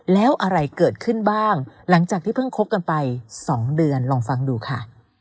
แล้วอะไรเกิดขึ้นบ้างหลังจากที่เพิ่งคบกันไป๒เดือนลองฟังดูค่ะ